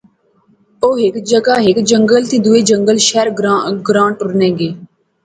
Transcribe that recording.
او ہیک جاغا ہیک جنگل تھی دوہے جنگل شہر گراں ٹرنے گئے